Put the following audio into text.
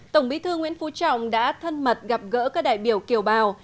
tổng bí thư nguyễn phú trọng đã thân mật gặp gỡ các đại biểu kiều bào